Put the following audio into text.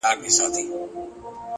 هغې ليونۍ بيا د غاړي هار مات کړی دی _